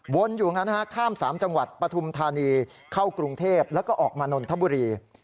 วนอยู่ข้าม๓จังหวัดปฐุมธานีเข้ากรุงเทพฯแล้วก็ออกมานนทบุรี